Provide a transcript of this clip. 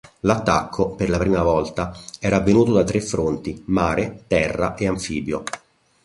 L'attacco, per la prima volta, era avvenuto da tre fronti, mare, terra e anfibio.